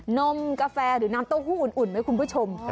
นมกาแฟหรือน้ำเต้าหู้อุ่นไหมคุณผู้ชม